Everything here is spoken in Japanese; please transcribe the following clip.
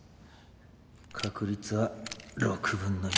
確率は６分の１。